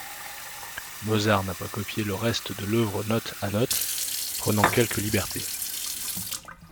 Mozart n'a pas copié le reste de l'œuvre note à note, prenant quelques libertés.